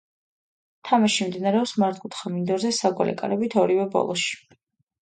თამაში მიმდინარეობს მართკუთხა მინდორზე საგოლე კარებით ორივე ბოლოში.